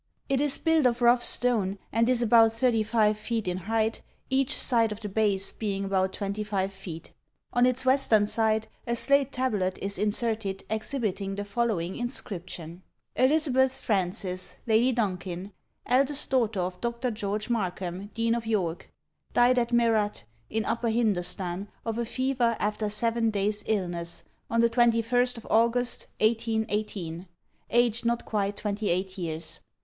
It is built of rough stone and is about 35 feet in height, each side of the base being about 25 feet. On its western side a slate tablet is inserted exhibiting the following inscription: "Elizabeth Frances, Lady Donkin, eldest daughter of Dr. George Markham, Dean of York, died at Merat, in Upper Hindostan, of a fever, after seven days' illness, on the 21st August 1818, aged not quite 28 years.